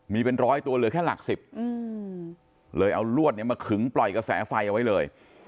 มีเป็นร้อยตัวเหลือแค่หลักสิบเลยเอาลวดเนี่ยมาขึงปล่อยกระแสไฟเอาไว้เลย